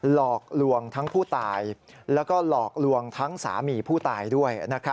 หลอกลวงทั้งผู้ตายแล้วก็หลอกลวงทั้งสามีผู้ตายด้วย